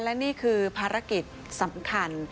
และนี่คือภารกิจสำคัญ